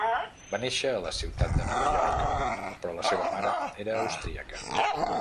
Va néixer a la ciutat de Nova York, però la seva mare era austríaca.